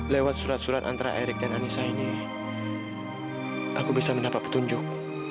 lewat surat surat antara erik dan anissa ini aku bisa mendapat petunjuk